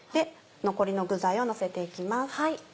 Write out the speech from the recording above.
残りの具材をのせて行きます。